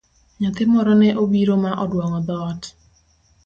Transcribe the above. Nyathi moro ne obiro ma oduong'o dhoot.